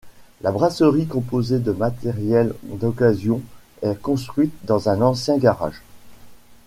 La brasserie composée de matériel d'occasion est construite dans un ancien garage.